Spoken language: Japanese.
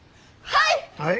はい！